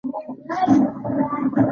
تاسې ټوله پړه په ما را اچوئ دا بد کار دی.